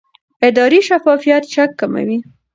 اداري شفافیت شک کموي